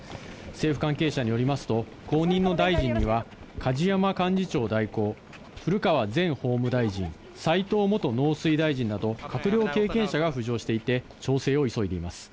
政府関係者によりますと、後任の大臣には、梶山幹事長代行、古川前法務大臣、斎藤元農水大臣など、閣僚経験者が浮上していて、調整を急いでいます。